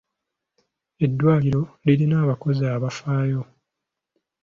Eddwaliro lirina abakozi abafaayo.